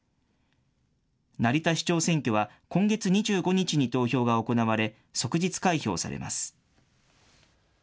成田市長選挙は今月２５日に投票が行われ即日開票されます。